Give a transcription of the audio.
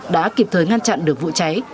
đã kịp thời ngăn chặn được vụ cháy